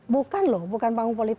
bukan loh bukan panggung politik